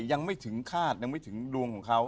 ยังไม่ถึงคาดยังไม่ถึงดวงของเขา